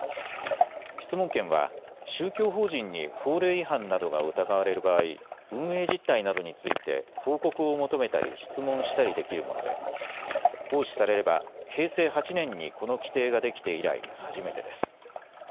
質問権は宗教法人に法令違反などが疑われる場合、運営実態などについて報告を求めたり質問したりできるもので行使されれば平成８年にこの規定ができて以来初めてです。